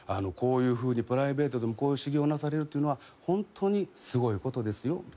「こういうふうにプライベートでもこういう修行をなされるのはホントにすごいことですよ」